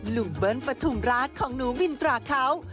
ลุงเบิ้ลประถุมรักของหนูบินตราเขา